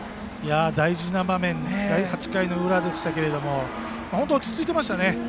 大事な場面８回の裏でしたけども本当落ち着いていましたね。